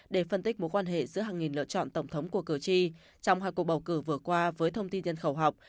để phân tích mối quan hệ giữa hàng nghìn lựa chọn tổng thống của cử tri trong hai cuộc bầu cử vừa qua với thông tin nhân khẩu học